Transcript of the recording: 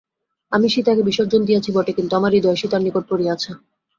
আমি সীতাকে বিসর্জন দিয়াছি বটে, কিন্তু আমার হৃদয় সীতার নিকট পড়িয়া আছে।